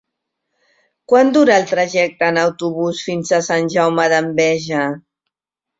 Quant dura el trajecte en autobús fins a Sant Jaume d'Enveja?